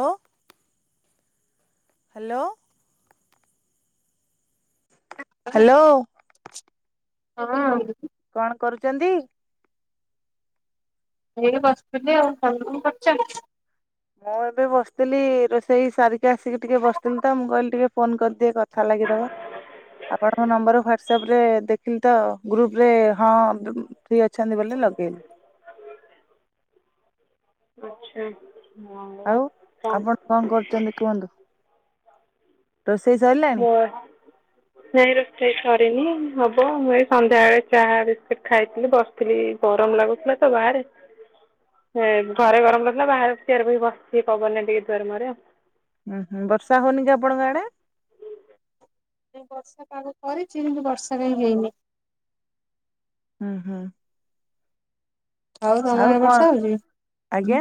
ଓ hello hello ହଁ କଣ କରୁଛନ୍ତି? ଏଇ ବସିଥିଲି ଆଉ, ତମେ କଣ କରୁଚ? ମୁଁ ଏବେ ବସିଥିଲି ରୋଷେଇ ସାରିକା ଆସିକି ଟିକେ ବସିଥିଲି ତ, ମୁଁ କହିଲି ଟିକେ ଫୋନ କରିଦିଏ କ କଥା ଲାଗିଦବ ଆପଣଙ୍କ ନମ୍ବର ହ୍ଵାଟସଆପ ରେ ଦେଖିଲି ତ ଗ୍ରୁପରେ ହଁ ଫ୍ରି ଅଛନ୍ତି ବୋଲି ଲଗେଇଲି। ଆଛା। ଆଉ ଆପଣ କଣ କରୁଛନ୍ତି କୁହନ୍ତୁ? ରୋଷେଇ ସଇଲା? [unintelligible] ନାଇଁ ରୋଷେଇ ସରିନି ହବ, ମୁଁ ଏଇ ସନ୍ଧ୍ୟାବେଳେ ଚାହା ବିସ୍କେଟ୍ ଖାଇଥିଲି ବସିି ଥିଲି ଗରମ ଲାଗୁଥିଲା ତ ବାହାରେ। [inaudible] ଘରେ ଗରମ ରହୁୁଥିଲା ବାହାରେ ଚିଆର ବହି ବସିିକି ପବନରେ ଟିକିଏ ଦୁଆର ମୁହରେ ଆଉ। ହୁଁ ହୁଁ, ବର୍ଷା ହଉନି କି ଆପଣଙ୍କ ଆଡେ? ବର୍ଷା ପାଗ କରିଛି କିନ୍ତୁ ବର୍ଷା କାହିଁ ହେଇନି। ହୁଁ ହୁଁ। ହଉ ଆଉ ତମଡେ କଣ ବର୍ଷା ହଉଛି, ଆଜ୍ଞା।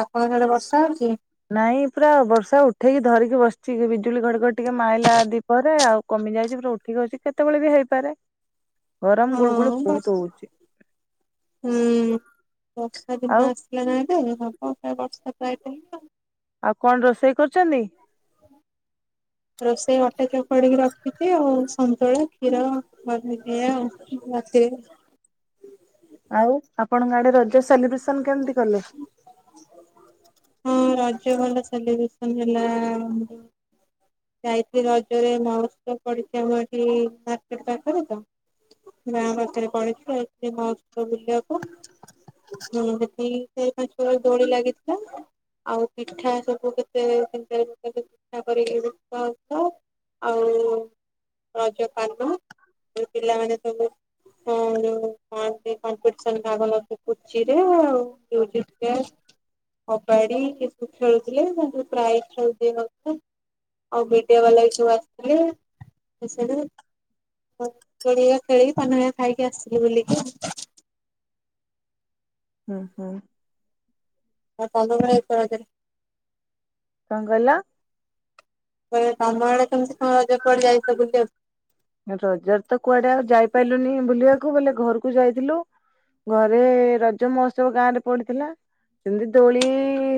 ଆପଣଙ୍କ ଆଡେ ବର୍ଷା ହଉଛି? ନାଇଁ ପୁରା ବର୍ଷା ଉଠେଇକି ଧରିକି ବସିଛି, ବିଜୁଳି ଘଡଘଡ ଟିକେ ମାଇଲା ଆଦି ପରେ ଆଉ କମି ଯାଇଛି ପୁରା ଉଠିକି ଅଛି, କେତେବେଳେ ବି ହେଇପାରେ। ଗରମ ଗୁଳ ଗୁଳି ହଁ ବହୁତ ବର୍ଷା ହଉଛି, ହୁଁ ବର୍ଷା ଆଉ [unintelligible] ଆଉ କଣ ରୋଷେଇ କରୁଛନ୍ତି? [inaudible] ରୋଷେଇ ଅଟେ ଚପଡିକି ରଖିଛି ଆଉ ସନ୍ତୁଳା କ୍ଷୀର। ରାତିରେ ଆଉ ଆପଣଙ୍କ ଆଡେ ରଜ ସେଲିବ୍ରେସନ କେମିତି କଲେ? ହଁ ରଜ ଭଲ ସେଲିବ୍ରେସନ ହେଲା ଆମର ଯାଇଥିଲି ରଜରେ। [unintelligible] ଗାଁ ପାଖରେ ପଡ଼ିଚି ତ [unintelligible] ବୁଲିବାକୁ। ହଁ ସେଠି ଚାରି ପାଞ୍ଚ ପ୍ରକାର ଦୋଳି ଲାଗିଥିଲା। ଆଉ ପିଠା ସବୁ କେତେ କେତେ କେତେ ପିଠା କରିକି ବିକା ହଉଥିଲା। ଆଉ ରଜ ପାନ ପିଲାମାନେ ସବୁ [unintelligible] [unintelligible] ଆଉ ମିଡିଆ ବାଲା ବି ଆସିଥିଲେ। [unintelligible] ଦୋଳି ହେରିକା ଖେଳିକି ପାନ ହେରିକା ଖାଇକି ଆସିଲୁ ବୁଲିକି। ହୁଁ ହୁଁ। [unintelligible] କଣ କହିଲ? ତମ ଆଡେ କେମିତି କଣ ରଜ କୁଆଡେ ଯାଇଥିଲ ବୁଲିବାକୁ? ରଜରେ ତ କୁଆଡେ ଆଉ ଯାଇପାରିଲୁନି ବୁଲିବାକୁ ବୋଇଲେ ଘରକୁ ଯାଇଥିଲୁ। ଘରେ ରଜ ମହୋତ୍ସବ ଗାଁ ରେ ପଡିଥିଲା। ସେମିତି ଦୋଳି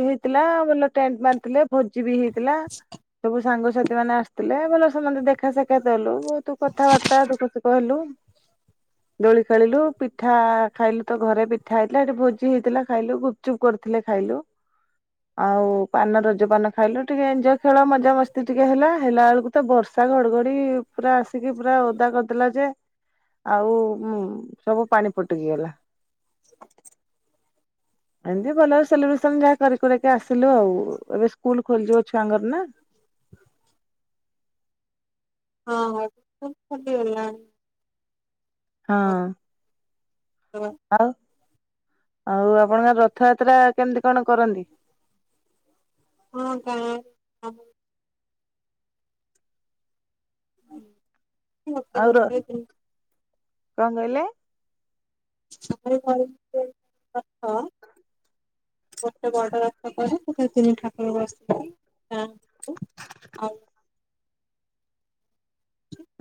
ହେଇଥିଲା। ଭଲ ଟେଣ୍ଟ ମାରିଥିଲେ। ଭୋଜି ବି ହେଇଥିଲା। ସବୁ ସାଙ୍ଗସାଥି ମାନେ ଆସିଥିଲେ। ଭଲ ସମସ୍ତେ ଦେଖାସାକ୍ଷାତ ହେଲୁ। କଥାବାର୍ତ୍ତା ଦୁଃଖ ସୁଖ ହେଲୁ। ଦୋଳି ଖେଳିଲୁ। ପିଠା ଖାଇଲୁ ତ ଘରେ ପିଠା ହେଇଥିଲା ଏଠି ଭୋଜି ହେଇଥିଲା ଖାଇଲୁ। ଗୁପ୍ ଗୁଚୁପ୍ କରିଥିଲେ ଖାଇଲୁ। ଆଉ ପାନ ରଜ ପାନ ଖାଇଲୁ ଟିକେ ଏଞୟ ଖେଳ ମଜା ମସ୍ତି ଟିକେ ହେଲା। ହେଲା ବେଳକୁ ତ ବର୍ଷା ଘଡଘଡି ପୁରା ଆସି ସିକି ପୁରା ଓଦା କରିଦେଲା ଯେ ଆଉ ମୁ ସବୁ ପାଣି ଫୁଟକି ଗଲା। ଏମିତି ଭଲ ସେଲିବ୍ରେସନ ଯାହା କରି କୁରାକି ଆସିଲୁ ଆଉ। ଏବେ ସ୍କୁଲ ଖୋଲିଯିବ ଛୁଆଙ୍କର ନା [inaudible] ହଁ ହଁ ସ୍କୁଲ୍ ଖୋଲି ଗଲାଣି। ହଁ [unintelligible] ଆଉ, ଆଉ ଆପଣଙ୍କ ରଥଯାତ୍ରା କେମିତି କଣ କରନ୍ତି? ହଁ। [unintelligible] ଆଉ ର [unintelligible] କଣ କହିଲେ? [unintelligible] ଗୋଟେ ବଡ ରଥ କରୁ ସେଥିରେ ତିନି ଠାକୁର ବସିଥିବେ। [unintelligible]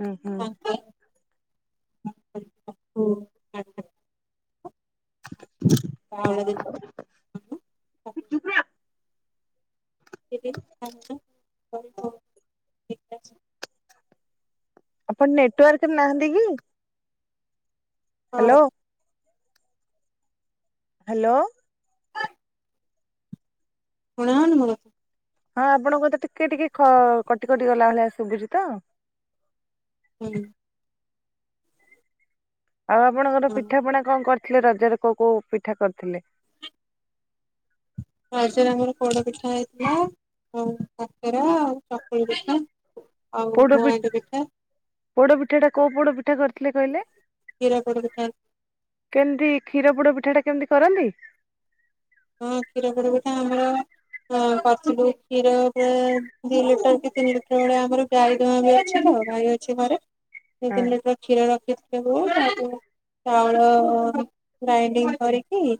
ହୁଁ ହୁଁ [unintelligible] [unintelligible] [unintelligible] ଆପଣ ନେଟୱାର୍କରେ ନାହାନ୍ତି କି? ହାଲୋ। ହାଲୋ। ଶୁଣାଯାଉନି ମୋର? ହଁ ଆପଣଙ୍କ ତ ଟିକେ ଟିକେ ଖ କଟି କଟି ଗଲା ଭଳିଆ ଶୁବୁଚି ତ। [unintelligible] ଆଉ ଆପଣଙ୍କର ପିଠାପଣା କଣ କରିଥିଲେ ରଜରେ କୋଉ କୋଉ ପିଠା କରିଥିଲେ? ଫାଷ୍ଟ ଆମର ପୋଡ ପିଠା ହେଇଥିଲା। ଆଉ କାକରା ଆଉ ଚକୁଳିପିଠା। ପୋଡପି ପୋଡପିଠା ଟା କୋଉ ପୋଡପିଠା କରିଥିଲେ କହିଲେ? କ୍ଷୀର ପୋଡ଼ପିଠା। କେମିତି କ୍ଷୀର ପୋଡ଼ ପିଠା ଟା କେମିତି କରନ୍ତି? ହଁ କ୍ଷୀର ପୋଡ଼ ପିଠା ଆମର ହଁ କରିଥିଲୁ କ୍ଷୀର ପ୍ରାଏ ଦି ଲିଟର କି ତିନି ଲିଟର ଭଳିଆ ଆମର ଗାଈ ଦୁଆଁ ହଉଛି ତ ଗାଈ ଅ କିଛି ପରେ ଦୁଇ ହଁ ତିନି ଲିଟର କ୍ଷୀର ରଖି ଚାଉଳ ଗ୍ରାଇଣ୍ଡିଙ୍ଗ କରିକି [inaudible]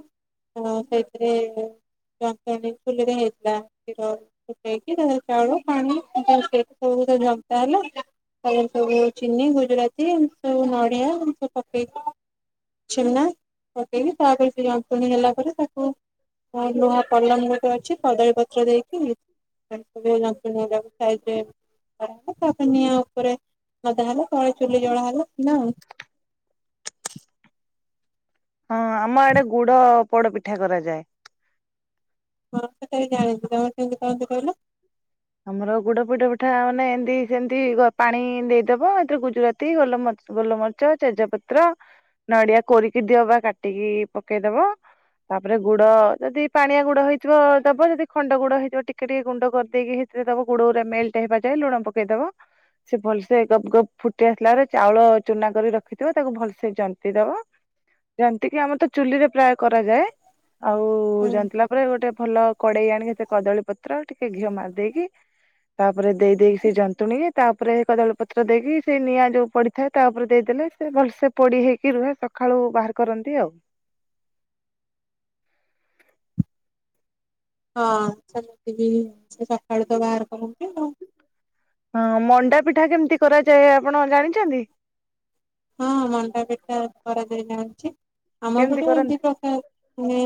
ହଁ ସେଇଥିରେ ଜତୁଣୀ ଚୁଲିରେ ହେଇଥିଲା କ୍ଷୀର ପକେଇ କି ତା ଦେହରେ ଚାଉଳ ପାଣି ସବୁ [unintelligible] ଜନ୍ତା ହେଲା। ଆଉ ସବୁ ଚିନି ଗୁଜୁରାତି ସବୁ ନଡିଆ ଏମିତି ପକେଇ କି ଛେନା ପକେଇ କି ତାପରେ ସେ ଜନ୍ତୁଆଣୀ ହେଲା ପରେ ତା ହ ଲୁହା ପଲମ ଗୋଟେ ଅଛି କଦଳୀପତ୍ର ଦେଇକି। ଜନ୍ତୁଣୀ ଗୁଡ଼ାକ ସାଇଜିରେ କଢାହବ ତାପରେ ନିଆଁ ଉପରେ ଲଦା ହେବ ତଳେ ଚୁଲି ଜଳା ହେଲା ନା ଆଉ ହଁ ଆମ ଆଡେ ଗୁଡ ପୋଡ ପିଠା କରାଯାଏ। ହଁ ଏଟାବି ଜାଣିଛି ତମେ କେମିତି କରନ୍ତି କହିଲ। ଆମର ଗୁଡ ପୋଡ଼ ପିଠା ମାନେ ଏମିତି ଯେମିତି ପାଣି ଦେଇଦବ ଏଥିରେ ଗୁଜୁରାତି ଗୋଲମରିଚ ଗୋଲମରିଚ୍। ଚ ତେଜ ପତ୍ର ନଡିଆ କୋରିକି ଦିଅ ବା କାଟିକି ପକେଇଦବ ତାପରେ ଗୁଡ ଯଦି ପାଣିଆ ଗୁଡ ହେଇଥିବ ଦବ ଯଦି ଖଣ୍ଡ ଗୁଡ ହେଇଥିବ ଟିକେ ଟିକେ ଗୁଣ୍ଡ କରିଦେଇକି ଦବ ଗୁଡ ରେ ମେଲଟ ହେବା ଯାଏ ଲୁଣ ପକେଇଦବ ସେ ଭଲସେ ଗପ୍ ଗପ୍ ଫୁଟି ଆସିଲା ପରେ ଚାଉଳ ଚୁନା କରି ରଖିଥିବ ତାକୁ ଭଲସେ ଜନ୍ତି ଦବ। ଜନ୍ତିକୀ ଆମର ତ ଚୁଲିରେ ପ୍ରାୟ କରାଯାଏ। ଆଉ ଜନ୍ତିଲା ପରେ ଗୋଟେ ଭଲ କଡେଇ ଆଣିକି ସେତେ କଦଳୀ ପତ୍ର ଟିକେ ଘିଅ ମାରିଦେଇ ତାପରେ ଦେଇ ଦେଇକି ସେ ଯନ୍ତୁଣୀକି ତାପରେ କଦଳୀପତ୍ର ଦେଇକି ସେ ନିଆଁ ଯୋଉ ପଡି ଥାଏ ତା ଉପରେ ଦେଇଦେଲେ ସେ ଭଲସେ ପୋଡି ହେଇକି ରୁହେ ସକାଳୁ ବାହାର କରନ୍ତି ଆଉ। ହଁ ସେମିତୀ ବି ସକାଳୁ ତ ବାହାର କରନ୍ତି ଆଉ। ହଁ ମଣ୍ଡା ପିଠା କେମିତି କରାଯାଏ ଆପଣ ଜାଣିଛନ୍ତି। ହଁ ମଣ୍ଡାପିଠା କରାଯାଏ ଜାଣିଛି ଆମ କେମିତି ପିଠା ଏ ଦି କରନ୍ତି? ପ୍ରକାର ମାନେ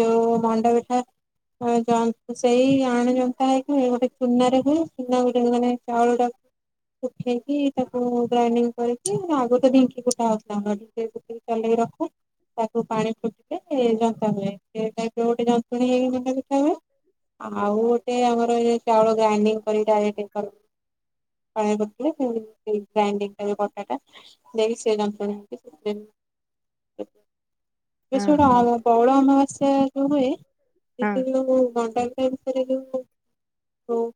ଯୋଉ ମଣ୍ଡାପିଠା ଆ ସେଇ ଆଣ ଜନ୍ତା ହେଇକି ଗୋଟେ ଚୁନାରେ ହୁଏ ଚୁନା ଗୋଟେ ମାନେ ଚାଉଳ ଟାକୁ ଶୁଖେଇକି ତାକୁ ଗ୍ରାଇଣ୍ଡିଙ୍ଗ କରିକି ଆଗରୁ ତ ଢିଙ୍କି କୁଟା ହଉଥିଲା ଟିକେ [unintelligible] ଚଲେଇ ରଖୁ ତାକୁ ପାଣି ଫୁଟିଲେ ଯନ୍ତା ହୁଏ ସେ ଟାଇପ୍ ର ଗୋଟେ ଯନ୍ତ୍ରଣୀ ହେଇକି [unintelligible] [unintelligible] ଆଉ ଗୋଟେ ଆମର ଚାଉଳ ଗ୍ରାଇଣ୍ଡିଙ୍ଗ୍ [unintelligible] [unintelligible] ଗ୍ରାଇଣ୍ଡିଙ୍ଗ କରିଦବ ବଟା ଟା ସେ ଜନ୍ତୁଅଣି ହଁ ବଟା ଆ ହଁ [unintelligible] କଉଳ ଅମାବାସ୍ୟା ଯୋଉ ହୁଏ ହଁ ସେ ଯୋଉ ଗଣ୍ଡା ରେ ଯୋଉ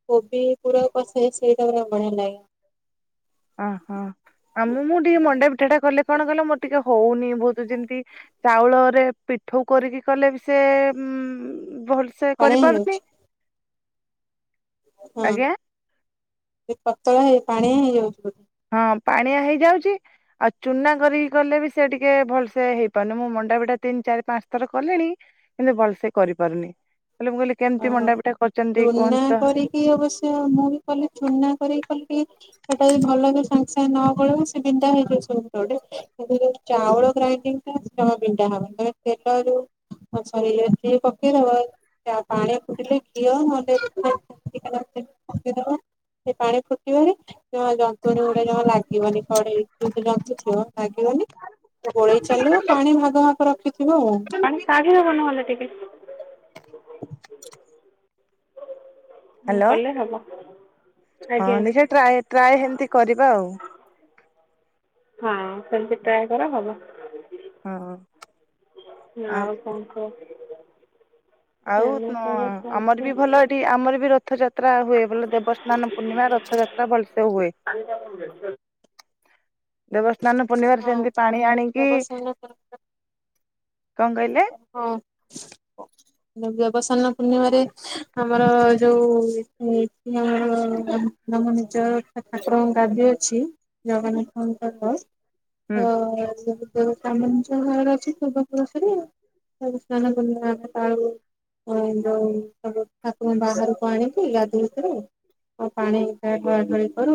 କୋବି ପୁଡା କଷେଇ ସେଇଟା ପୁରା ବଢିଆ ଲାଗେ। ଓହୋ ଆଉ ମୁଁ ମୁଁ ଟିକେ ମଣ୍ଡା ପିଠାଟା କଲେ କଣ କହିଲ ମୋର ଟିକେ ହଉନି ବହୁତ ଯେମତି ଚାଉଳରେ ପିଠୋଉ କରିକି କଲେ ବି ସେ ଭଲସେ ପାଣିଆ କରିପାରୁନି। ହେଇଯାଉଛି ହଁ ଆଜ୍ଞା। ଏ ପତଳା ଏ ପାଣିଆ ହେଇଯାଉଥିବା [unintelligible] ହଁ ପାଣିଆ ହେଇଯାଉଛି। ଆଉ ଚୁନା କରିକି କଲେ ବି ସେ ଟିକେ ଭଲସେ ହେଇପାରୁନି ମୁଁ ମଣ୍ଡା ବିିଟା ତିନି ଚାରି ପାଞ୍ଚ ଥର କଲିଣି। ହେଲେ ଭଲସେ କରିପାରୁନି କଲେ ମୁଁ କହିଲି କେମିତି ମଣ୍ଡାପିଠା କରିଛନ୍ତି ଟିକେ କୁହନ୍ତ ତ। କି ଅବଶ୍ୟ ମୁଁ ବି କଲେ ଚୁନା କରିକି କଲେ ଟିକେ ହେଟା ଯଦି ଭଲକି ସାଙ୍ଗେ ସାଙ୍ଗେ ନ ଗୋଳିବ ସେ ବିଣ୍ଡା ହେଇଯିବ ସବୁ ଗୋଟେ ଚାଉଳ ଗ୍ରାଇଣ୍ଡିଙ୍ଗ ଟା ଜମା ବିଣ୍ଡା ହବନି ତମେ ତେଲରୁ ଆଚ୍ଛା [unintelligible] ପକେଇିଦବ ପାଣିଆ ଫୁଟିଲେ ଘିଅ ନହେଲେ ରିଫାଇନ [unintelligible] ପକେଇ ଦବ ସେ ପାଣି ଫୁଟିବଣି ଜମା ଯନ୍ତୁଣୀ ଗୁଡା ଜମା ଲାଗ ଲାଗିବନି କଡେଇ ଯୋଉଠି ଜନ୍ତି ଥିବ ଲାଗିବନି ଗୋଳେଇ ଚାଲିବ ପାଣି ଭାଗ ମାପ ରଖିଥିବ ଆଉ ପାଣି କାଢିଦବ ନହେଲେ ଟିକେ। [inaudible] ହଁ ହ୍ୟାଲୋ କଲେ ହବ। ହଁ ଆଜ୍ଞା। ଦେଖିବା ଟ୍ରାଏ, ଟ୍ରାଏ ସେମିତି କରିବା ଆଉ। ହଁ ସେମିତି ଟ୍ରାଏ କର ହବ। ହଁ। ଆଉ କଣ କୁହ? ଆଉ ଏଇନା ସବୁ ଆମର ଚାଲିଛି। ବି ଭଲ ଏ ଆମର ବି ରଥଯାତ୍ରା ହୁଏ, ବୋ ଦେବସ୍ନାନ ପୂର୍ଣ୍ଣିମା, ରଥଯାତ୍ରା ଭଲସେ ହୁଏ। [inaudible] ଦେବସ୍ଥାନ ପୂର୍ଣ୍ଣିିମା ହଁ ସେମିତି ପାଣି ଆଣିକି, ଦେବସାନ୍ନ ପୂର୍ଣ୍ଣିମା କଣ କହିଲେ? ହଁ। [inaudible] [unintelligible] ପୂର୍ଣ୍ଣିମାରେ ଆମର ଯୋଉ ଆମର [unintelligible] ତମ ନିଜ ଠାକୁରଙ୍କ ଗାଦ୍ୟ ଅଛି, ଜଗନ୍ନାଥଙ୍କରର। ହୁଁ ହ ଯୋମଞ୍ଚ ଘରରେ ଅଛି, ପୂର୍ବପୁରୁଷରେ ଆଉ ସ୍ନାନ କର ତାଉ ହ ଯଉ ସବୁ ଠାକୁର ବାହାରକୁ ଆଣିକି, ଗାଧେଇ କିରି ହଉ ପାଣି ଡଳା ଡଳି କରୁ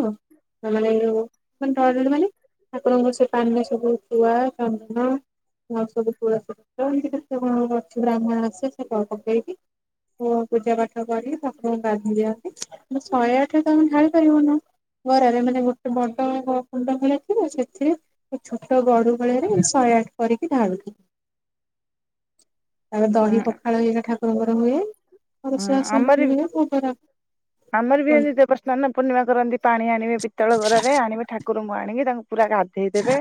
ମାନେ [unintelligible] ମାନେ ଆପଣଙ୍କ ସେ ପାନ ସବୁ ଛୁଆ ଚନ୍ଦନ ଆଉ ସବୁ ପୋଳା କର। କେମିତି କେତେ କଣ ଅଛି ବ୍ରାହ୍ମଣ ଆସେ, ସେ କଣ ପକେଇକି ହୁ ପୂଜା ପାଠ କରି ଠାକୁରଙ୍କୁ ଗାଧେଇ ଦିଅନ୍ତି ମୁ ଶହେ ଆଠ ପାଣି ଢାଳିପାରିବୁନୁ। ଗରାରେ ମାନେ ଗୋଟେ ବଡ କୁଣ୍ଡ କରିଥିବେ ସେଥିରେ ଛୋଟ ଗଡୁ ବେଳେରେ ଶହେ ଆଠ କରିକି ଢାଳୁଛିି। ତାପରେ ଦହି ପଖାଳ ହେଇା ଠାକୁରଙ୍କର ହୁଏ ଅ ରୋଷେଇ ବାସ ଆମର ଏମିତି ହୁଏ, ଭୋଗ ରାଗ ଆମର ବି ଏମତି ଦେବସ୍ନାନ ପୂର୍ଣ୍ଣିମା କରନ୍ତି, ପାଣି ଆଣିବେ ପିତଳ ଗରାରେ ଆଣିବେ ଠାକୁର ମୁହଁ ଆଣିକି ତାଙ୍କୁ ପୁରା ଗାଧେଇ ଦେବେ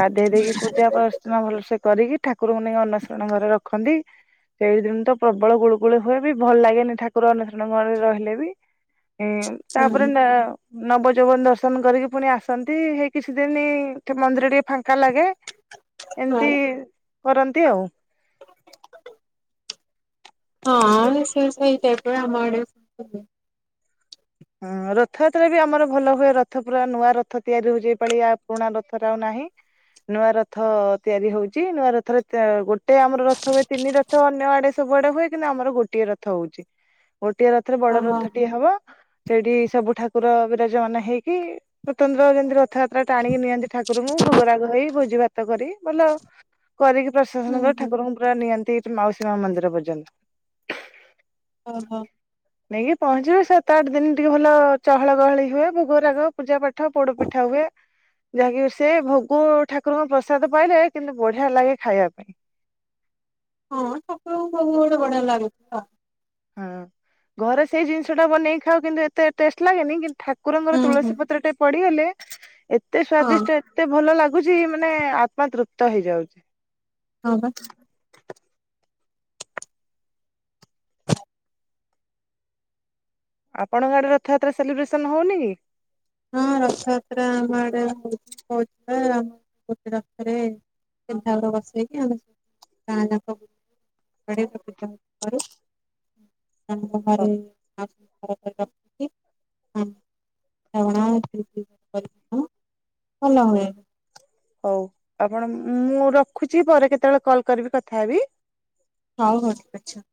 ଗାଧେଇ ଦେଇକି ପୂଜାଚ୍ଚନା ଭଲସେ କରିକି ଠାକୁରଙ୍କୁ ନେଇ ଅନସରଣ ଘରେ ରଖନ୍ତି। ସେଇଦିନ ତ ପ୍ରବଳ ଗୁଳୁ ଗୁଳୁ ହୁଏ ବି ଭଲ ଲାଗେନି ଠାକୁର ଅନସରଣରେ ରହିଲେ ତାପରେ ଲ ନବଯୌବନ ଦର୍ଶନ କରିକି ପୁଣି ଆସନ୍ତି, ହେଇ କିଛି ଦିନ ମନ୍ଦିର ଟିକେ ଫାଙ୍କା ଲାଗେ। ଏମିତି ହଁ। କରନ୍ତି ଆଉ। ହଁ ବିଶେଷ ତ ଏଇ ଟାଇପ ଆମ ଆଡେ ହଁ ରଥଯାତ୍ରା ବି ଆମର ଭଲ ହୁଏ। ରଥ ପୁରା ନୂଆ ରଥ ତିଆରି ହଉଛି ଏଇ ପଳି ଆଉ ପୁରୁଣା ରଥତ ଆଉ ନାହିଁ। ନୂଆ ରଥ ତିଆରି ହଉଛି, ନୂଆ ରଥରେ ଗୋଟେ ଆମର ରଥ ହୁଏ ତିନି ରଥ ତ ଅନ୍ୟ ଆଡେ ସବୁଆଡେ ହୁଏ। କିନ୍ତୁ ଆମର ଗୋଟିଏ ରଥ ହଉଛି। ଗୋଟିଏ ରଥରେ ବଡ ଓହୋ। ରଥ ଟିଏ ହବ। ସେଠି ସବୁ ଠାକୁର ବିରାଜମାନ ହେଇକି, ସ୍ୱତନ୍ତ୍ର କେନ୍ଦିର ରଥଯାତ୍ରା ଟାଣିକି ନିଅନ୍ତି ଠାକୁରଙ୍କୁ। ଭୋଗ ରାଗ ହେଇ, ଭୋଜି ଭାତ କରି ଭଲ କରିକି ପ୍ରସେସନ କ ଠାକୁରଙ୍କୁ ପୁରା ନିଅନ୍ତି, ଏ ମାଉସୀ ମା ମନ୍ଦିର ପର୍ଯ୍ୟନ୍ତ। ଓହୋ। ନେଇକି ପହଞ୍ଚିବେ, ସାତ ଆଠ ଦିନ ଟିକେ ଭଲ ଚହଳ ଗହଳି ହୁଏ। ଭୋଗରାଗ, ପୂଜା ପାଠ, ପୋଡ ପିଠା ହୁଏ। ଯାହାକି ସେ ଭୋଗୁ ଠାକୁରଙ୍କ ପ୍ରସାଦ ପାଇଲେ କିନ୍ତୁ ବଢିଆ ଲାଗେ ଖାଇବା ପାଇଁ। ହଁ ଠାକୁରଙ୍କ ଭୋଗ ଗୁଡେ ବଢିଆ ଲାଗୁଛି ତ ହଁ ଘରେ ସେଇ ଜିନିଷ ଟା ବନେଇ ଖାଉ କିନ୍ତୁ ଏତେ ଟେଷ୍ଟ ଲାଗେନି, କିନ୍ତୁ, ଠା ଙ୍କର ହୁଁ ହୁଁ ତୁଳସୀ ପତ୍ର ଟେ ପଡିଗଲେ ଏତେ ହଁ ସ୍ଵାଦିଷ୍ଟ ଏତେ ଭଲ ଲାଗୁଛି ମାନେ ଆତ୍ମା ତୃପ୍ତ ହେଇଯାଉଛି। ହଁ ବା। ଆପଣଙ୍କ ଆଡେ ରଥଯାତ୍ରା ସେଲିବ୍ରେସନ ହଉନି କି? ହଁ ରଥଯାତ୍ରା ଆମ ଆଡେ ହଉଛି, ତ ଗୋଟେ ରଥରେ ସେଠା ବସେଇକି ଆମେ ଗାଁ [unintelligible] [unintelligible] ବ ପ୍ର କରୁ ତାନଙ୍କ ହ ଘରେ ରଖିଛି କଣ ଭଲହୁଏ। ହଉ ଆପଣ ମୁଁ ରଖୁଛି ପରେ କେତେବେଳେ କଲ୍ କରିବି କଥା ହେବି। ହଉ ହଉ ଠିକ୍ ଅଛି।